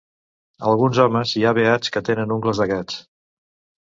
Alguns homes hi ha beats que tenen ungles de gats.